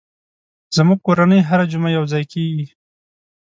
زموږ کورنۍ هره جمعه یو ځای کېږي.